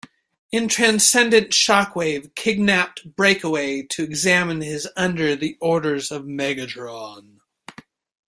In "Transcendent" Shockwave kidnapped Breakaway to examine him under the orders of Megatron.